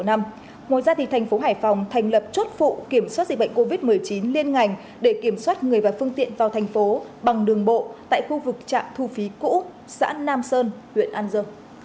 ngoài ra thành phố hải phòng thành lập chốt phụ kiểm soát dịch bệnh covid một mươi chín liên ngành để kiểm soát người và phương tiện vào thành phố bằng đường bộ tại khu vực trạm thu phí cũ xã nam sơn huyện an dương